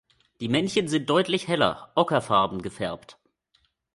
Die Männchen sind deutlich heller, ockerfarben gefärbt.